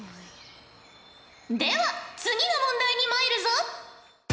では次の問題にまいるぞ。